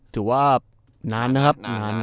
ถือว่านานนะครับนาน